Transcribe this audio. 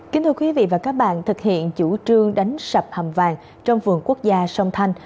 kính thưa quý vị và các bạn thực hiện chủ trương đánh sập hầm vàng trong vườn quốc gia sông thanh